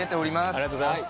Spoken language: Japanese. ありがとうございます。